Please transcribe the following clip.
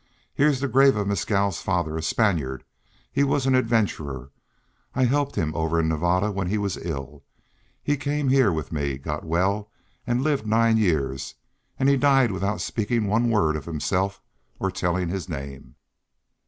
Here's the grave of Mescal's father, a Spaniard. He was an adventurer. I helped him over in Nevada when he was ill; he came here with me, got well, and lived nine years, and he died without speaking one word of himself or telling his name."